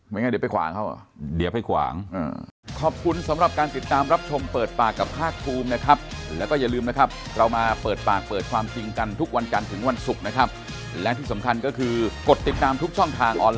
งั้นเดี๋ยวไปขวางเขาเดี๋ยวไปขวาง